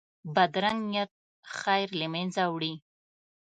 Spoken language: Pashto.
بدرنګه نیت خیر له منځه وړي